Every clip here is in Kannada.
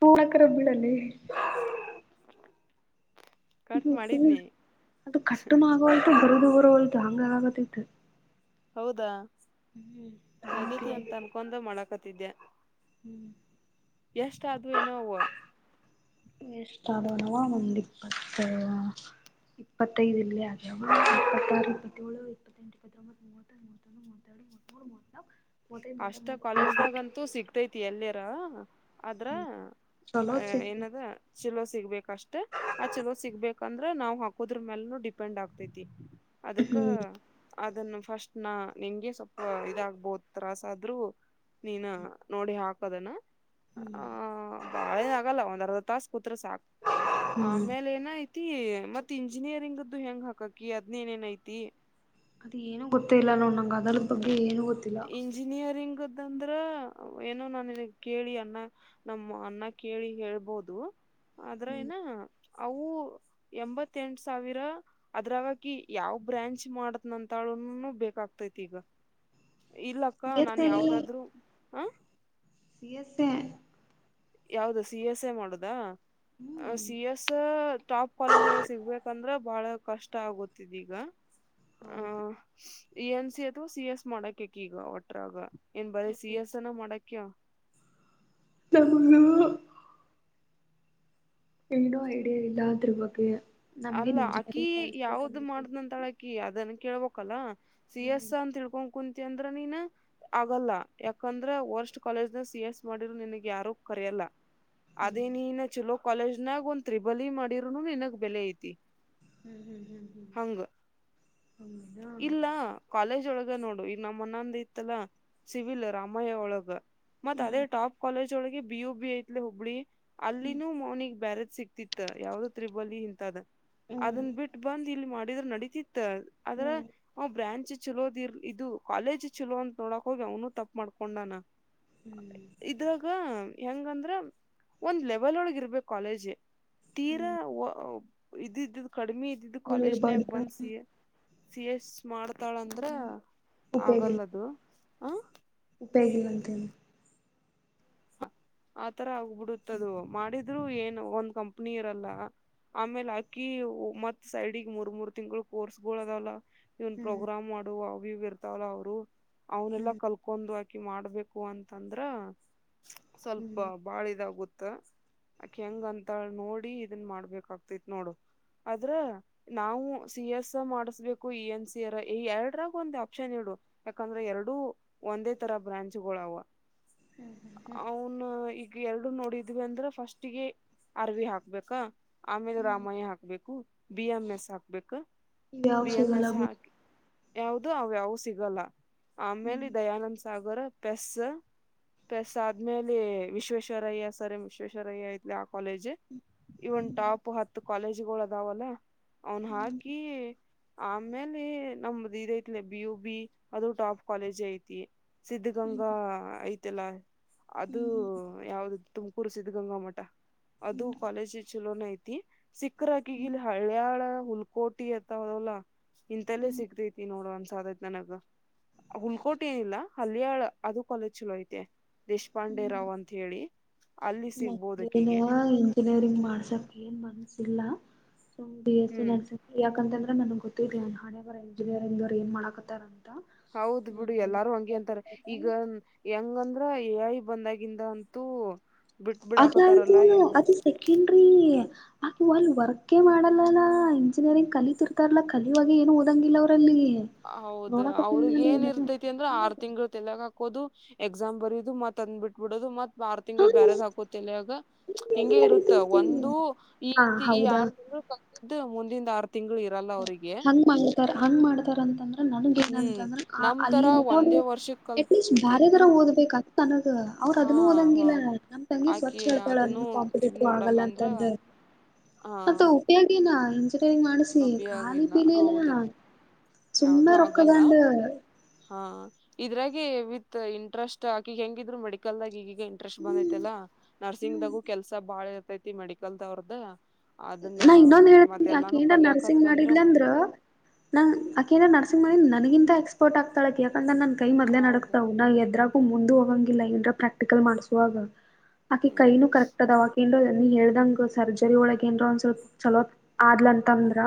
ಹೂಕ್ರಳಲ್ಲಿ [inaudible] ಮಾಡಿದ್ನಿ ಅದು ಕಟ್ಟನ್ ಆಗೋವಲ್ತ ಬರದು ಬರೋವಲ್ತ ಹಂಗಗತ್ತೈತ್ತು ಹೌದಾ ಆಗೇತಿ ಅಂತ ಅದಂತೀವಿ ಅನ್ಕೊಂಡ ಮಾಡಕತಿದ್ದೆ ಹ್ಮ್ ಎಷ್ಟ ಅದುೂ ಏನೋ ವೇಷ್ಟೋನವಾ ಒಂದಪ್ಪತ ಇಪ್ಪತ್ತೈದು ಇಲ್ಲಿ ಅ ಇಪ್ಪತ್ತಾರು ಇಪ್ಪತ್ತೇಳು ಇಪ್ಪತ್ತೆಂು ಇಪ್ಪತ್ತೊಂಬತ್ ಮೂ ಮೂತ್ತೊ ಮೂತ್ತೆರಡು ಮೂೂರು ಮೊತ್ತ ಅಷ್ಟ ಕಾಲೇಜ್ದಾಗಂತೂ ಸಿಗ್ತ ತಿ ಎಲ್ಲಿಯಾರ ಆದ್ರ ಚಲೋ ಅ ಏನದ ಸಿಗ್ತೈತಿ ಚಿಲೋ ಸಿಗ್ಬೇಕಷ್ಟೇ ಆ ಚಲೋ ಸಿಗ್ಬೇಕಂದ್ರ ನಾವ್ ಹಾಕೋದ್ರ ಮ್ಯಲ್ ಡಿಪೆಂಡ್ ಆಗ್ತೇತಿ ಅದಕ್ಕ ಹ್ಮ್ ಅದನ್ನು ಫಸ್ಟ್ ನ ನಿಂಗೆ ಸ್ವಲ್ಪ ಇದಾಗಬೋದು ತ್ರಾಸ ಆದ್ರೂ ನೀನ್ ನೋಡಿ ಹಾಕದನ ಆಹ ಬಾಳೇನ ಆಗಲ್ಲ ಒಂದ್ರ್ಧ ತಾಸ ಕೂತ್ರೆ ಸಾಕಕ್ ಹ್ಮ್ ಹ್ಮ್ ಆಮೇಲೆ ಏನಾಯ್ತು ಮತ್ ಇಂಜಿನಿಯರಿಂಗದ್ದು ಹೆಂಗ್ ಹಾಕಾಕಿ ಅದ್ನೇನೇನ್ ಐತಿ ಅದ ಏನು ಗೊತ್ತ ಇಿಲ್ಲ ನೋ ನಂಗಗೆ ಅದ ಬಗ್ಗೆ ಏನು ಗೊತ್ತ ಇಂಜಿನಿಯರಿಂಗದಂದ್ರ ಏನೋ ನಾನಿನಗ್ ಕೇಳಿ ಅನ್ನ ನಮ್ಮ ಅನ್ನ ಕೇಳಿ ಹೇಳ್ಬೋದು ಆದ್ರ ಹ್ಮ್ ನ ಅವು ಎಂಬತ್ತೆಂಟು ಸಾವಿರ ಅದ್ರಾಗಕ ಯಾವ್ ಬ್ರಾಂಚ್ ಮಾಡತ್ನ ಅಂತಳನು ಬೇಕಾಗತೈತಿ ಈಗ ಇಲ್ಲಕ್ಕ ಸಿ ಎಸ್ ನಾನ್ ಎ ಯಾವ್ದಾದ್ರು ಹ ಸಿ ಎಸ್ೆ [inaudible] ಯಾವ್ದ ಸಿ ಎಸ್ ಎ ಮಾಡುದಾ ಹ್ಮ್ ಸಿ ಎಸ್ ಟಾಪ್ ಕಾಲೇಜ್ ಒಳ ಸಿಗ್ಬೇಕಂದ್ರೆ ಬಹಳ ಕಷ್ಟ ಆಗುತ್ತಿದೀಗ ಹೌದು ಆಹ ಇ ಎನ್ ಸಿ ಅಥವಾ ಸಿ ಎಸ್ ಮಾಡಕಕ ಈಗ ಒಟ್ರಾಗ ಏನ್ ಬರೀ ಸಿ ಎಸ್ ಅನ ಮಾಡಕ್ಯ ತ [unintelligible] ಏನೋ ಐಡಿಯಾ ಇಲ್ಲ ಅದ್ರ ಬಗ್ಗೆ ನಮ್ಗೆ ಅಲ್ಲ ನಿಮ್ ಜೊತೆ ಅಕಿ ಕಳಸ್ಬೇಕ ಯಾವ್ದ ಅನ್ನೋದು ಮಾಡ್ದ್ಂತಳ ಅಕಿ ಅದನ್ನ ಕೇಳ್ಬಕ್ಲ್ಲ ಸಿ ಹ್ಮ್ ಎಸ್ ಅಂತ ತಿಳ್ಕೊಂಡ ಕುಂತಿ ಅಂದ್ರ ನೀನ್ ಆಗಲ್ಲ ಯಾಕಂದ್ರೆ ವರ್ಸ್ಟ್ ಕಾಲೇಜ್ನ ಸಿ ಎಸ್ ಮಾಡಿರರು ನನ್ಗ್ ಯಾರು ಕರೆಯಲ್ಲ ಅದೇ ನೀನ್ನ ಚಲೋ ಕಾಲೇಜ್ನಾಗ ಒಂದ್ ತ್ರಿಬಲಿ ಮಾಡಿರೂನು ನಿನಗ್ ಬೆಲೆ ಐತಿ ಹ್ಮ್ ಹ್ಮ್ ಹ್ಮ್ ಹಂಗ ಹ್ಮ್ ಹ ಇಲ್ಲ ಕಾಲೇಜ್ ಒಳಗ ನೋಡು ಈ ನಮ್ಮ ಅಣ್ಣ ನಂದ್ದು ಇತ್ತಲ್ಲಾ. ಸಿವಿಲ್ ರಾಮಯಾ ಒಳೋಗ ಮತ್ತತ್ ಅದೇ ಹ್ಮ್ ಟಾಪ್ ಕಾಲೇಜ್ ಒಳಗೆ ಬಿ ಯು ಬಿ ಐತ್ಲ ಹುಬ್ಬಳಿ ಹ್ಮ್ ಅಲ್ಲಿನೂ ಮೌನಿಗೆ ಬ್ಯಾರದ್ ಸಿಕ್ತಿತ್ತು ತ್ತ ಯಾವ್ದ ತ್ರಿಬಲಿ ಇಂತದ ಅದನ್ ಹ್ಮ್ ಬಿಟ್ಟ ಬಂದ್ ಇಲ್ಲಿ ಮಾಡಿದ್ರ ನಡತಿತ್ತ. ಆದ್ರ ಹ್ಮ್ ಅವ್ ಬ್ರ್ಯಾಂಚ್ ಚಛಲೋದಿ ಇರ್ ಇದು ಕಾಲೇಜ್ ಚಲೋ ಅಂತ ನೋಡಕ್ ಹೋಗಿ ಅವನು ತಪ್ಪ ಮಾಡ್ಕೊಂಡನ ಇದ್ರಾಗ ಹೆಂಗಂದ್ರ ಒಂದ್ ಲೆವೆಲ್ ಒಳಗ ಇರ್ಬೇಕು ಕಾಲೇಜೆ ತೀರಾ ಹ್ಮ್ ಇದ ಇದ್ದಿದ್ದು ಕಡಿಮೆ ಇದ್ದಿದ್ದು ಅಲ್ಲಿ ಕಾಲೇಜ್ನಾಗ ಇರಬಾರ್ದು ಬಂದ್ಸಿ ಸಿ ಎಸ್ ಮಾಡ್ತಾಳ ಅಂದ್ರ ಆಗಲ್ಲದು ಹ ಉಪಯಿ ಅಂತೇಿ [inaudible] ಆತರ ಆಗ್ಬಿಡುತ್ತದು ಮಾಡಿದ್ರು ಏನ್ ಒಂದ್ ಕಂಪ್ನಿ ಇರಲ್ಲ ಆಮೇಲ್ ಅಕ್ಕಿ ಮತ್ ಸೈಡಿಗೆ ಮೂರ್ ಮೂರ್ ತಿಂಗಳು ಕೋರ್ಸ್ಗಳಗಳು ಅದಲ್ಲ. ಇವನ್ ಹ್ಮ್ ಪ್ರೋಗ್ರಾಮ್ ಮಾಡುವ ಅವ ಇವ ಇರ್ತಾವಲ್ಲ ಅವರು ಅವನ್ನಲ್ಲಾ ಹ್ಮ್ ಕಲ್ ಕೊಂದು್ ಹಾಕಿ ಮಾಡ್ಬೇಕು ಅಂತಂದ್ರ ಸ್ವಲ್ಪ ಹ್ಮ್ ಬಾಳ ಇದಾಗುತ್ತ ಅಕಿ ಹೆಂಗ ಅಂತ ನೋಡಿ ಇದನ್ ಮಾಡ್ಬೇಕ ಆಗ್ತೈತ್ ನೋಡು ಆದ್ರ ನಾವು ಸಿ ಎಸ್ ಮಾಡಿಸಬೇಕು ಇ ಎನ್ ಸಿ ಅರ ಈ ಎರಡರಾಗ ಒಂದ್ ಆಪ್ಷನ್ ಇಡು. ಯಾಕಂದ್ರೆ ಎರಡೂ ಒಂದೇ ತರ ಬ್ರಾಂಚ್ ಗಳು ಅವ ಅವನ್ ಈಗ ಎರಡು ನೋಡಿದ್ವಿ ಅಂದ್ರ ಫಸ್ಟ್ಿಗೆ ಅರ್ವಿ ಹಾಕ್ಬೇಕಾ ಆಮೇಲೆ ರಾಮಯ್ಯ ಹಾಕ್ಬೇಕು ಬಿ ಎಂ ಎಸ್ ಹಾಕ್ಬೇಕ ಇವ್ಯಾವ ಬಿ ಎಂ ಸಿಗಲ್ಲ ಎಸ್ ಬಿಡು ಹಾಕಿ ಯಾವ್ದ ಅವ್ಯಾವು ಸಿಗಲ್ಲ ಆಮೇಲೆ ದಯಾನಂದ್ ಸಾಗರ್ ಪೆಸ್ ಪೆಸ್ ಆದ್ಮೇಲೆ ವಿಶ್ವೇಶ್ವರಯ್ಯ ಸರ್ ಎಂ ವಿಶ್ವೇಶ್ವರಯ್ಯ ಐತ್ಲಿ ಆ ಕಾಲೇಜ್ ಇವನ್ ಟಾಪ್ ಹತ್ತು ಕಾಲೇಜ್ಗಳು ಅದಾವಲ್ಲ ಅವನ್ ಹಾಕಿ ಆಮೇಲೆ ನಮ್ದ ಇದ ಐತ್ಲ ಬಿ ಯು ಬಿ ಅದು ಟಾಪ್ ಕಾಲೇಜ್ ಐತಿ ಸಿದ್ಧಗಂಗಾ ಐತೆಲ್ಲಾ. ಅದು ಯಾವ್ದ ತುಮಕೂರು ಸಿದ್ಧಗಂಗಾ ಮಠ ಅದು ಕಾಲೇಜ್ ಚಲೋನ ಐತಿ ಸಿಕ್ಕರಾಕಿಗ್ ಇಲ್ಲಿ ಹಳಯಾಳ ಹುಲ್ಕೋಟಿ ದಲ್ಲಾ ಇಂತಲ್ಲೇ ಸಿಗ್ತೈತಿ ನೋಡು ಅನ್ಸಾದತ್ ನನಗ. ಹುಲ್ಕೋಟೆ ಏನಿಲ್ಲ ಹಲ್ಲಿಯಾಳ್ ಅದು ಕಾಲೇಜ್ ಚಲೋ ಐತೆ. ದೇಶಪಾಂಡೆ ರಾವ್ ಅಂತ ಹೇಳಿ. ಅಲ್ಲಿ ಮನ ಸಿಗ್ಬೋದಕಿಗೆ [unintelligible] ಇಂಜಿನಿಯರಿಂಗ್ ಮಾಡ್ಸಕ್ ಏನ್ ಮನ್ಸಿಲ ಬಿ ಎಸ್ ಇ ಹ್ಮ್ ನರ್ಸಿಂಗ್ ಯಾಕಂತಂದ್ರೆ ನನ್ಗ್ ಗೊತ್ತಿದಿದೆನ್ ಹಣೆಬರ ಇಂಜಿನಿಯರಿಂಗ್ ದರ ಏನ್ ಮಾಡಾಕತ್ತಾರಂತ. ಹೌದ ಬಿಡು ಎಲ್ಲಾರು ಹಂಗೆ ಅಂತಾರ ಈಗ ಹೆಂಗಂದ್ರ ಎ ಐ ಬಂದಾಗಿಂದ ಅಂತೂ ಬಿಟ್ ಬಿಡಾಕೊತಾರಲ್ಲ ಎಲ್ಲ. [inaudible] ಹ ಹ ಅಲ್ಲಿ ವರ್ಕೇ ಮಾಡಲ್ಲಲ್ಲ ಇಂಜಿನಿಯರಿಂಗ್ ಕಲಿತಿರ್ತಾರಲ್ಲ ಕಲಿಯುವಾಗ ಏನು ಓದಂಗಿಲ್ಲ ಅವರಲ್ಲಿ. ಹೌದು ನೋಡಕತ್ತೀನಿ ಅವ್ರಗ ಏನ್ ನಾನು ಇರ್ತೈತಿ ಅಂದ್ರೆ ಆರು ತಿಂಗಳು ತೆಲಗ ಹಾಕೋದು ಎಕ್ಸಾಮ್ ಬರೋದು ಮತ್ ಅಂದ್ ಬಿಟ್ಬಿಡೋದು ಮತ್ ಬಾರ್ ತಿಂಗ್ಗಳು ಬ್ಯಾರದ್ ಹಾಕೊತೆಲ್ಯಾಗ. ಹಿಂಗೆ ಇರುತ್ತ ನಡತೈತಿ ಒಂದು ಈ ಹಾ ತಿ ಈ ಹೌದಾ ಆರ್ ತಿಂಗಳು ಕಲ್ತದ್ದು ಮುಂದಿಂದ ಆರು ತಿಂಗಳು ಇರು ಹಂಗ್ ಮಾಡ್ತಾರ ಹಂಗ್ ಮಾಡ್ತಾರ ಅಂತಾನ ನನಗ ಹ್ಮ್ ಏನಂತಂದ್ರೆ ಅ ನಮ್ ತರ ಅಲ್ಲಿ ಒಂದೇ [unintelligible] ವರ್ಷಕ್ ಅಟ್ಲೀಸ್ಟ್ ಬ್ಯಾರೆದರ ಕಲ್ತಿದ್ದು ಓದ್ಬೇಕ ತನಗ ಅವರು ಹಾ ಅದನ್ನು ಹಾ ಓದಂಗಿಲ್ಲ ನಮ ತಂಗಿ ಸ್ವಚ್ ಆಕಿ ಹೇಳ್ತಾಳ ಅದನ್ನು ಅದ ಇದ್ ಕಾಂಪಿಟೇಟಿವ್ ಮಾಡಲ್ಲ ಆಗಲ್ಲ ಅಂದ್ರ ಅಂತಂದ. ಹಾ ಮತ ಉಪಯೋಗ ಏನ ಇಂಜಿನಿಯರಿಂಗ್ ಮಾಡ ಉಪಿಯೋಗಿಲ್ಲ ಹೌದು. [inaudible] ಯಾವ್ದೂ ಆಗಲ್ಲ. ರೊಕ್ಕದಂಡ ಹಾ ಇದ್ರಾಗಿ ವಿತ್ ಇಂಟ್ರೆಸ್ಟ್ ಆಕಿ ಹೆಂಗಿದ್ರು ಮೆಡಿಕಲ್ದಾಗ ಈಗ ಇಂಟ್ರೆಸ್ಟ್ ಬಂದೈತಿಲ್ಲಾ ನರ್ಸಿಂಗ್ ದಾಗು ಕೆಲ್ಸ ಬಾಳ ಇರ್ತೈತಿ ಮೆಡಿಕಲ್ ದವ್ರದ. ಅದನ್ನ ನಾ ಇನ್ನೊಂದ್ ಮತ್ತ ಹೇಳ್ತೀನಿ ಎಲ್ಲಾನು ಆಕೇನ್ರ ಕಲಿಯಕತ್ಲ ಅಂದ್ರೆ ಮುಂದ ನಂಗ್ ಆಕಿ ಏನ್ ನರ್ಸಿಂಗ್ ಮಾಡಿದ್ ನನಗಿಂತ ಎಕ್ಸ್ಪರ್ಟ್ ಆಗ್ತಾಳಾಕಿ ಅಂದ್ರ ನನ್ ಕೈ ಮೊದ್ಲೆ ಹೌದು ನಡುಗ್ತಾವ್ ನಾ ಎದ್ರಾಗೂ ಮುಂದು ಹೋಗಂಗಿಲ್ಲ ಏನ್ರ ಪ್ರಾಕ್ಟಿಕಲ್ ಮಾಡಸುವಾಗ. ಆಕಿ ಹ್ಮ್ ಕೈನು ಕರೆಕ್ಟ್ ಅದವ ಅಕಿನ್ ರೋ ನೀ ಹೇಳ್ದಂಗ ಸರ್ಜರಿ ಒಳಗ ಏನ್ರ ಒಂದ ಸ್ವಲ್ಪ ಚಲೋ ಆದ್ಲ ಅಂತ ಅಂದ್ರ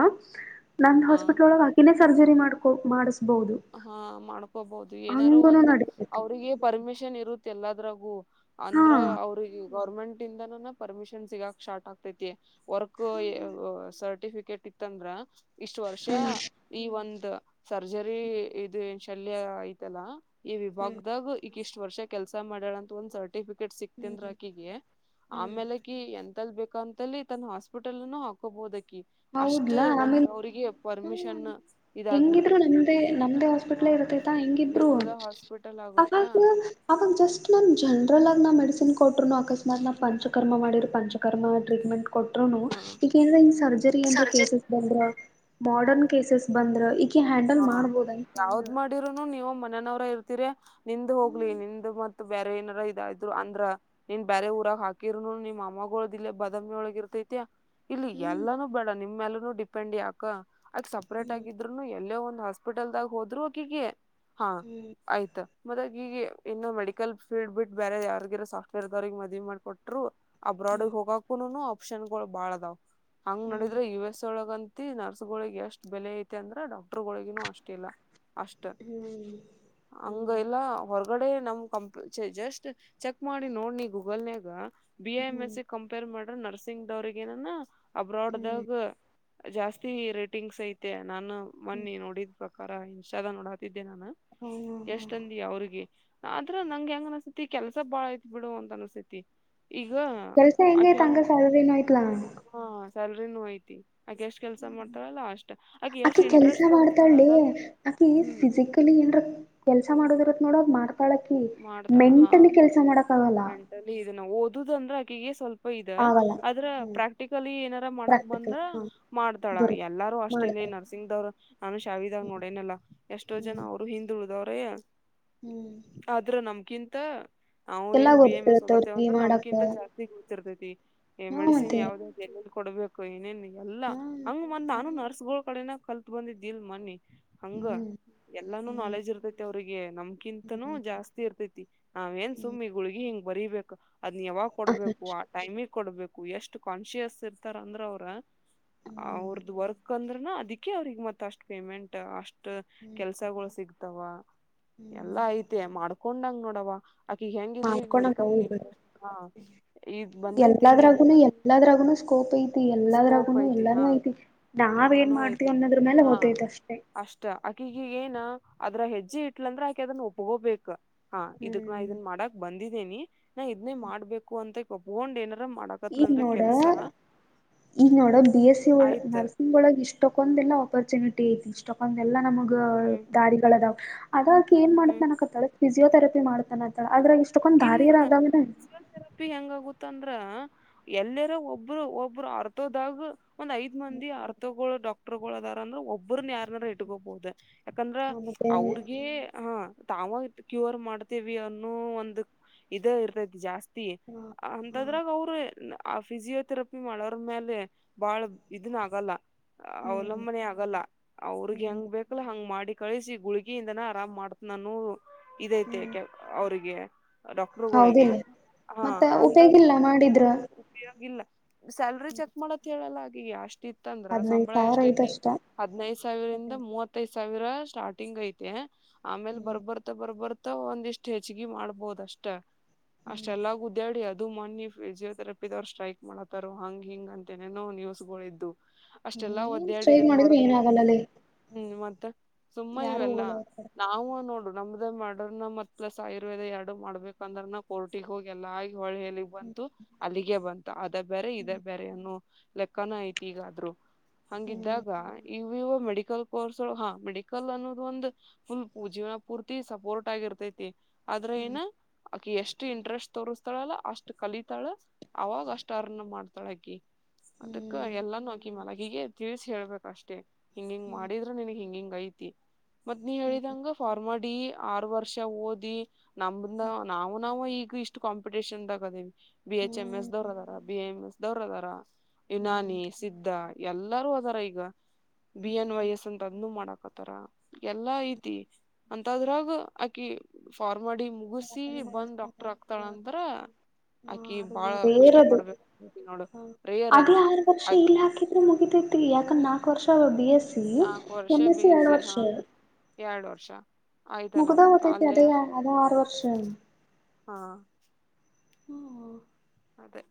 ನಂದ ಹಾ ಹಾಸ್ಪಿಟ್ಲ್ ಒಳಗ ಆ ಇನ್ನೇ ಸರ್ಜರಿ ಮಾಡ್ಕೊ ಮಾಡಿಸಬಹುದು. ಹಾ ಮಾಡ್ಕೊಬಹುದು ಏನಾರು ಒಂದ್ ನಡಿತೈತಿ ಅವ್ರಿಗೆ ಪರ್ಮಿಷನ್ ಇರುತ್ತ ಎಲ್ಲದ್ರಾಗು. ಹಾ ಅಂದ್ರ ಅವ್ರಿಗೆ ಗೌರ್ಮೆಂಟ್ ಇಂದನ ಪರ್ಮಿಷನ್ ಸಿಗಕ್ ಶ್ಟಾರ್ಟ್ ಆಗ್ತ ತೈತಿ ವರ್ಕ್ ಅ ಅ ಸರ್ಟಿಫಿಕೇಟ್ ಇತ್ತಂದ್ರ ಇಷ್ಟು ವರ್ಷ ಹ್ಮ್ ಈ ಒಂದ ಸರ್ಜರಿ ಇದು ಶಲ್ಯ ಐತಲ್ಲ ಈ ಹ್ಮ್ ವಿಭಾಗದಾಗ ಈಕ್ ಇಷ್ಟ್ ವರ್ಷ ಕೆಲ್ಸ ಮಾಡಳ ಅಂತ ಒಂದ್ ಸರ್ಟಿಫಿಕೇಟ್ ಸಿಕ್ತನ್ದ್ರ ಆಕಿಗೆ ಆಮೇಲೆ ಅಕಿ ಎಂತಲ್ ಬೇಕ ಅಂತಲ್ಲಿ ತನ್ನ ಹಾಸ್ಪಿಟಲ್ನು ಹಾಕೋಬೋದಕಿ. ಅಷ್ಟ ಹೌದ್ಲಾ ಒಂದ್ ಆಮೇಲೆ ಅವ್ರಿಗೆ ಪರ್ಮಿಷನ್ ಇದಾಗಬಿಡ್ತೈತಿ. ತೆ ನಮ್ದೇ ಹಾ ಹಾಸ್ಪಿಟ್ಲ್ ಇರತ್ತೈತಾ ಹೆಂಗಿದ್ರು ನಿಂಬದ ಹಾಸ್ಪಿಟಲ್ ಆಗುತ್ತಾ ಅವಾಗ ಅವಾಗ ಜಸ್ಟ್ ನಾನ್ ಜನರಲ್ ಆಗ ನಾ ಮೆಡಿಸಿನ್ ಕೊಟ್ರುನು ಅಕಸ್ಮತ್ ನಾ ಪಂಚಕರ್ಮ ಮಾಡಿರ ಪಂಚ ಟ್ರೀಟ್ಮೆಂಟ್ ಕೊಟ್ಟರುನೂ ಹಾ ಈಗೇ ಈ ಸರ್ಜರಿ ಅಂದ್ರೆ ಕೇ ಬಂದ್ರ ಮಾಡರ್ನ್ ಕೇಸಸ್ ಬಂದ್ರ ಈಕಿ ಹ್ಯಾಂಡಲ್ ಮಾಡ್ಬೋದನ್ ಹಂಗ ರನು ನೀವು ಮನೆಯನವರ ಇರ್ತಿೀರಿ ನಿಂದ್ ಹೋಗ್ಲಿ ಹ್ಮ್ ನಿಂದ್ ಮತ್ ಬೇರೆ ಏನಾರ ಇದ ಇದ್ರು ಅಂದ್ರ ನೀನ್ ಬೇರೆ ಊರಾಗ ಹಾಕಿರರುನು ನಿಮ್ಮ ಅಮ್ಮಗಗಳ ಒದ ಇೇ ಬದಾಮಿ ಒಳಗ ಇರ್ತೈತಿ ಇಲ್ಲಿ ಹ್ಮ್ ಎಲ್ಲಾನೂ ಬೇಡ ನಿಮ್ೆಲ್ಲೂ ಡಿಪೆಂಡ್ ಯಾಕ ಆಕ ಸಪ್ರೇಟ್ ಆಗಿದ್ರು ಎಲ್ಲೆ ಒಂದ್ ಹಾಸ್ಪಿಟಲ್ದಾಗ ಹೋದ್ರುಕಿಗೆ ಹಾ ಹ್ಮ್ ಆಯ್ತಾ ಮದಾಗ ಈಗ ಇನ್ನ ಮೆಡಿಕಲ್ ಫೀಲ್ಡ್ ಬಿಟ್ಟ ಬೇರೆ ಯಾರ್ಗಿರೋ ಸಾಫ್ಟ್ವೇರ್ದವ್ರಿಗೆ ಮದ್ವಿ ಮಾಡ್ಕೊಟ್ರು ಅಬ್ರಾಡ್ಗ್ ಹೋಗಕು ಆಪ್ಷನ್ ಗಳು ಬಾಳದಾವ್ ಹಂಗ್ ಹ್ಮ್ ನಡಿದ್ರೆ ಯು ಎಸ್ ಒಳಗಂತ ತಿ ನರ್ಸ್ಗಳಿಗೆ ಎಷ್ಟ್ ಬೆಲೆ ಐತೆ ಅಂದ್ರ ಡಾಕ್ಟರ್ಗಳಳಗಿನೂ ಅಷ್ಟ ಇಲ್ಲ ಅಷ್ಟ ಹ್ಮ್ ಹಂಗ ಹ್ಮ್ ಎಲ್ಲಾ ಹೊರಗಡೆ ನಮ್ ಕಂಪ್ ಜಸ್ಟ್ ಚೆಕ್ ಮಾಡಿ ನೋಡ್ನಿ ಗೂಗಲ್ನಯಾಗ B A hmm M hmm S C compare ಮಾಡ್ರ ನರ್ಸಿಂಗ್ ದವ್ರಗಏನಾನ ಅಬ್ರಾಡ್ಗ ಹ್ಮ್ ಹ್ಮ್ ಜಾಸ್ತಿ ರೇಟಿಂಗ್ಸ್ ಐತೆ ನಾನು ಬನ್ನಿ ನೋಡಿದ್ ಪ್ರಕಾರ ಇನ್ಸ್ಟಾದ ನೋಡ ಹಾತಿದ್ದೆ ನಾನು ಹ್ಮ್ ಹ್ಮ್ ಎಷ್ಟಂದಿ ಅವ್ರಿಗೆ ಆದ್ರ ನಂಗಗೆ ಹೆಂಗ್ ಅನ್ಸತಿ ಕೆಲ್ಸ ಬಾಳ ಐತ್ ಬಿಡು ಅಂತ ಅನ್ಸೇತಿ ಈಗ ಕೆಲ್ಸ ಹೆಂಗೈತ್ ಹಂಗ ಅಕಂಗ ಸ್ಯಾಲರಿನೂ ಐತ್ಲಾ ಹಾ ಸ್ಯಾಲ್ರಿನೂ ಐತಿ ಆಗ ಎಷ್ಟ್ ಕೆಲ್ಸ ಮಾಡ್ತಳಲ್ಲ ಅಷ್ಟ ಆಕೆ ಎಷ್ಟ್ ಆಕಿ ಕೆಲ್ಸ ಇಂಟ್ರೆಸ್ಟ್ ಮಾಡ್ತಾಳೆ ತೋರಿಸ್ತಾಳಲ್ಲ ಆಕಿ ಹ್ಮ್ ಫಿಸಿಿಕ್ ಏನ್ರ ಕೆಲ್ಸ ಮಾಡೋದಿರತ್ ನೋಡ ಮಾಡ್ತಾಳಕಿ ಮಾಡ್ತಾಳ ಹಾ ಮೆಂಟಲಿ ಕೆಲ್ಸ ಮಾಡಕ್ ಆಗಲ್ಲ ಇದನ್ನ ಓದುದು ಅಂದ್ರೆ ಆಕಿಗೆ ಸ್ವಲ್ಪ ಇ ಆಗಲ್ಲ ಆದದ್ರ ಹ್ಮ್ ಪ್ರಾಕ್ಟಿಕಲಿ ಏನಾರ ಮಾಡಕ್ ಪ್ರಾಕ್ಟಿಕಲ್ ಬಂದ್ರ ಹ ಮಾಡ್ತಾಳ ಬರು ಎಲ್ಲಾರೂ ಅಷ್ಟೇಲ್ಲಿ ಮಾಡ್ತಾರ ನರ್ಸಿಂಗದವ್ರು ನಾನು ಶಾವಿದಾಗ ಹ್ಮ್ ನೋಡೇನಲ್ಲ ಎಷ್ಟೋ ಜನ ಹ್ಮ್ ಅವರು ಅವರು ಹಿಂದಿಳಿದ ಅವ್ರೆ ಹ್ಮ್ ಆದ್ರ ನಮ್ಕಿಂತ ನಾವು ಎಲ್ಲಾ ಏನ್ ಬಿ ಎಂ ಸದತ್ತೇವ ಗೊತ್ತಿರತ್ತವ್ರಿಗೆ ಅಂದ್ರರು ಮಾಡಕ ನಮ್ಕಿಂತ ಜಾಸ್ತಿ ಗತ್ತಿರ್ತೈತಿ ಹ್ಮ ಮೆಡಸಿನ್ ಮತ್ತೆ ಯಾವವುದ ಎಲ್ಲಿ ಕೊಡ್ಬೇಕು ಏನೇನ್ ಎಲ್ಲಾ ಹ್ಮ ಹಂಗ ಮಂದ್ ನಾನು ನರ್ಸ್ಗಳ ಕಡೆನ ಕಲ್ತ್ ಬಂದಿದ್ದಿಲ್ ಮನ್ನಿ ಹಂಗ ಹ್ಮ್ ಹ್ಮ್ ಎಲ್ಲಾನು ಹ್ಮ್ ನಾಲೆಜ್ ಇರ್ತೈತಿ ಅವ್ರಿಗೆ ನಮ್ಕಿಂತ ಹ್ಮ್ ಹ್ಮ್ ಜಾಸ್ತಿ ಇರ್ತೈತಿ ನಾವ್ ಏನ್ ಸುಮ್ಮ್ ಈ ಗುಳಗಿ ಹಿಂಗ್ ಬರೀಬೇಕು ಅದ್ನ್ ಯಾವಾಗ್ ಕೊಡ್ಬೇಕು ಟೈಮಿ ಕೊಡ್ಬೇಕು ಎಷ್ಟು ಕಾನ್ಶಿಯಸ್ ಇರ್ತಾರ ಅಂದ್ರ ಅವ್ರ ಹ್ಮ್ ಅವ್ರದ ವರ್ಕ್ ಕಂದ್ರ ಅದಕ್ಕೆ ಅವ್ರಿಗೆ ಮತ್ತ ಅಷ್ಟು ಪೇಮೆಂಟ್ ಅಷ್ಟ ಕೆಲ್ಸಗಳು ಸಿಗ್ತಾವ ಹ್ಮ್ ಎಲ್ಲಾ ಐತೆ ಮಾಡ್ಕೊಂಡಂಗ ನೋಡವ ಆಕಿಗ ಹೆಂಗಿದ್ರು ಈಗ ಮಾಡ್ಕೊಣಂಗ ಮೆಡಿಕಲ್ ಹೋಗ್ಬೇಡ ಹ ಈ್ ಬಂದೈತಿಲ್ ಈಗ ಎಲ್ಲಾದರಗೂ ಸಕೋಪ್ ಇ ತಿ ಸ್ಕೋಪ್ ಎಲ್ಲದ್ರಗುನು ಎರ್ು ಹಾ ಐತಿ ನಾವ ಏನ್ ಎಲ್ಲಾನೂ ಮಾಡ್ತಿವಿ ಐತಿ ಅನ್ನೋದ್ರ ಮೇಲೆ ಹಾ ಗಓತೈತ ಅಷ್ಟೇ ಅಷ್ಟ ಆಕೆ ಈಗ ಏನ ಅದ್ರ ಹೆಜ್ಜೆ ಇಟ್ಲಂದ್ರ ಆಕೆ ಅದನ್ನ ಒಪ್ಗೋಬೇಕ ಹಾ ಇದಕ್ ನಾ ಇದನ್ ಮಾಡಕ್ ಬಂದಿದ್ದೇನಿ ನಾ ಇದನ್ನೇ ಮಾಡ್ಬೇಕು ಅಂತ ಒಪ್ಗೊಂಡ್ ಏನಾರ ಮಾಡಕ್ ಇನ್ನೋಡ ಈಗ ನೋಡ ಬಿ ಎಸ್ ಸಿ ಒಳ ಆಯ್ತ ನರ್ಸಿಂಗ್ ಒಳ ಇಷ್ಟಕ್ಕೊಂದೆಲ್ಲಾ ಆಪರ್ಚುನಿಟಿ ಐತಿ ಇಷ್ಟ ತಕೊಂಡ ಎಲ್ಲಾ ನಮಗ ಹ್ಮ್ ದಾರಿಗಳ ಅದಾವ ಅದಕ ಏನ್ ಹ್ಮ್ ಮಾಡತ್ ನನಕತಳ ಫಿಸಿಯೋಥರಪಿ ಮಾಡತಾನ ಅಂತಳ ಆದ್ರಾಗ ಇ ಇಲ್ಲ ಇಲ್ಲ ಫಜಿಯೋಥೆರಪಿ ಹೆಂಗಗುತ್ತ ಅಂದ್ರ ಎಲ್ಲರ ಒಬ್ಬರು ಒಬ್ರು ಅರ್ಥೋದಾಗ ಒಂದ್ ಐದ್ ಮಂದಿ ಅಥಗಳು ಡಾಕ್ಟರ್ಗಳು ಅದಾರಂದ್ರೆ ಒಬ್ಬ್ರನ ಯಾರನಾರ ಹ ಇಟ್ಕೋಬಹದೆ ಯಾಕಂದ್ರ ಹ ಮತ್ತೆ ಅವ್ರಗ ಹ ತಾವಾಗ ಕ್ಯೂ ಆರ್ ಮಾಡ್ತೇವಿ ಅನ್ನೋ ಒಂದ ಇದೇ ಇರ್ತೈತಿ ಜಾಸ್ತಿ ಹ ಹ ಅಂತದ್ರಾಗ ಅವ್ರ ಆ ಫಿಸಿಯೋಥೆರಪಿ ಮಾಡೋರ್ ಮೇಲೆ ಬಾಳ ಇದನ್ ಆಗಲ್ಲ ಹ್ಮ್ ಅವಲಂಬನೆ ಆಗಲ್ಲ ಅವ್ರಗ್ ಹ್ಮ್ ಹೆಂಗ್ ಬು ಲ ಹಂಗ್ ಮಾಡಿ ಕಳಿಸಿಿ ಗುಳಗಿಯಯಿಂದನ ಆರಾಮ್ ಮಾಡ್ತನಾನು ಇದೈತೆ ಹ್ಮ್ ಕೆ ಅವ್ರಿಗೆ ಡಾಕ್ಟರುಗಳಿಗೆ ಹೌದಿಲ್ಲ ಹಾ ಮತ್ತ ಉಪಯೋಗಿಲ್ಲ ಅಂತತ್ಕೊಂಡ ಮಾಡಿದ್ರ ಆಾಗಿಲ್ಲ ಸ್ಯಾಲ್ರಿ ಚೆಕ್ ಮಾಡತ್ ಹೇಳಲ್ಲ ಹಾಗ ಅಷ್ಟು ಇತ್ತಂದ್ರ ಹದ್ನೈದ ಸಂಬಳ ಸಾವಿರ ಎಷ್ಟ ಐತಿ ಐತಷ್ಟ ಹದ್ಿನೈದು ಸಾವಿರದಂದ ಮೂವತ್ ತ್ತೈದು ಸಾವಿರ ಸ್ಟಾರ್ಟಿಂಗ್ ಐತೆ ಆಮೇಲೆ ಹ್ಮ್ ಬರ್ಬರ್ ಬರ್ಬರ್ತಾ ಒಂದಿಷ್ಟ್ ಹೆಚ್ಚಿಗೆ ಮಾಡ್ಬೋದ ಅಷ್ಟ ಅಷ್ಟೆಲ್ಲ ಗ ಇದ್ಯಾಡಿ ಅದು ಮನ್ನಿ ಫಜಿಯೋಥೆರಪಿಿದವ್ರು ಸ್ಟ್ರೈಕ್ ಮಾಡತ್ತಾರ ಹಂಗ್ ಹಿಂಗ್ ಅಂತ ನೇನೋ ನ್ಯೂಸ್ಗಳ್ದು ಅಷ್ಟೆಲ್ಲಾ ಏನ್ ಒದ್ದೇಳ ಸ್ಟ್ರೈಕ್ ಇದನ್ ಮಾಡಿದ್ರು ಮಾಡದ್ ಆಗ್ತೇನೆ ಏನಾಗಲ್ಲಲ್ಲಿ ಹ್ಮ್ ಮತ್ತ ಸುಮ್ಮ ಯಾರು ಇವೆಲ್ಲ ಹೋಗಲ್ಲ ಆ ಕಡೆ ನಾವವು ನೋಡು ನಮ್ದ ಮಾಡಡರ್ನ ಮತ್ ಪ್ಲಸ್ ಆಯುರ್ವೇದ ಎರಡು ಮಾಡ್ಬೇಕಂದ್ರನ ಕೊ ಟ್ಟಿಗೆ ಹೋಗಿ ಎಲ್ಲ ಹೊಳಿಲಿಗ್ ಬಂತು ಹ್ಮ್ ಅಲ್ಲಿಗೆ ಬಂತು ಅದೇ ಬೇರೆ ಇದೇ ಬೇರೆ ಲೆಕ್ಕನ ಐತಿ ಈಗಾದ್ರು ಹ್ಮ್ ಹಂಗಿದ್ದಾಗ ಇವು ಇವ ಮೆಡಿಕಲ್ ಕೋರ್ಸ್ ಹಾ ಮೆಡಿಕಲ್ ಅನ್ನೋದು ಒಂದು ಫುಲ್ ಜೀವನ ಪೂರ್ತಿ ಸಪೋರ್ಟ್ ಆಗಿರ್ತೈತಿ ಆದ್ರ ಏನ ಅಕಿ ಎಷ್ಟ್ ಇಂಟ್ರೆಸ್ಟ್ ತೋಸ್ತಾಳಲ್ಲ ಅಷ್ಟ್ ಕಲಿತಾಳ ಅವಾಗ ಅಷ್ಟ ಅರ್ನ್ನ ಮಾಡ್ತಾಳ ಅಕಿ ಅದಕ್ಕ ಹ್ಮ್ ಎಲ್ಲಾನೂ ಆಗಿ ಮಲಗಿಗೆ ತಿಳಿಸಿಿ ಹೇಳ್ಬೇಕ ಅಷ್ಟೆ ಹಿಂಗ ಹಿಂಗ್ ಹ್ಮ್ ಮಾಡಿದ್ರ ನನ್ಗ್ ಹಿಂಗ ಹಿಂಗ ಐತಿ ಮತ್ ನೀ ಹ್ಮ್ ಹೇಳಿದಂಗ ಫಾರ್ಮಾಡಿ ಆರ್ ವರ್ಷ ಓದಿ ನಮಂದ ನಾವು ನಾವವು ಈಗ ಇಷ್ಟ್ ಕಾಂಪಿಟೇಷನ್ದಗದಿವವಿ ಬಿ ಎಚ್ ಎಂ್ ಎಸ್ ಹ್ಮ್ ದ್ರ ಅದ ಬಿಮ್ ದವರು ಅದಾರ ಹ್ಮ್ ಯುನಾನಿ ಸ್ಧ ಎಲ್ಲಾರೂ ಅದಾರ ಈಗ ಬಿ ಎನ್ ವೈ ಹ್ಮ್ ಹ್ಮ ಎಸ್ ಅಂತ ಅದನ್ನುೂ ಮಾಡಕತ್ತ ಎಲ್ಲಾ ಐತಿ ಅಂತದ್ರಾಗ ಆಕಿ ಫಾರ್ ಮಾಡಿ ಮುಗ ಸಿ ಬಂದ್ ಡಾಕ್ಟರ್ ಆಗ್ತಾಳಂತ್ರ ಆಕಿ ಅದು ಬಾಳ ಕಷ್ಟ ರೇರದು ಪಡ್ಬೇಕು ನೋಡು ರೇಯರ್ ಅದು ಮುಗಿತತಿ ಯಾಕಂದೆ ನಾಲ್ಕ್ು ವರ್ಷ ಬಿ ಎಸ್ ಸಿ ನಾಲ್ಕು ವರ್ಷ ಎಂ ಎಸ್ ಬಿ ಸಿ ಎರಡ್ ವರ್ಷ ಹಾ ಎರಡ್ ವರ್ಷ ಆಯ್ತಲ ಮತ್ತೆ ಅಲ್ಲೇಯ ಅದು ಆರ್ ವರ್ಷ ಹಾ ಹ್ಞ ಅದೆ